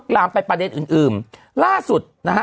ล่าสุดนะฮะ